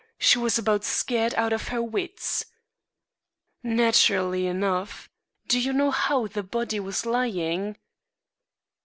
She was about scared out of her wits." "Naturally enough. Do you know how the body was lying?"